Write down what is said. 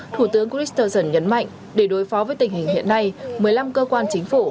thủ tướng christensen nhấn mạnh để đối phó với tình hình hiện nay một mươi năm cơ quan chính phủ